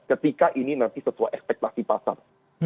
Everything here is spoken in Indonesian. ketika ini nanti sesuai ekspektasi pasar